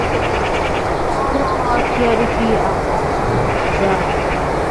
Koro makia ɗefi abosune de wuza ɗiɗa.